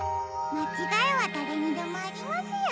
まちがいはだれにでもありますよ。